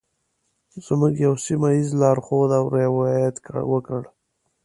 زموږ یوه سیمه ایز لارښود یو روایت وکړ.